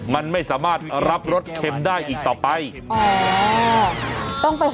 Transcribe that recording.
มันไม่สามารถรับรสเค็มได้อีกต่อไป